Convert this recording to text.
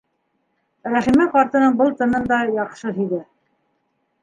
Рәхимә ҡартының был тынын да яҡшы һиҙә.